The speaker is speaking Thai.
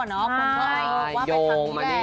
ใช่ยง